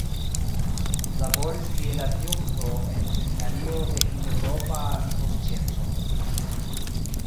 Laboris kiel adjunkto en Seminario de Hindeŭropa Lingvoscienco.